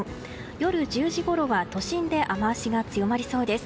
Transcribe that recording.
夜１０時ごろは都心で雨脚が強まりそうです。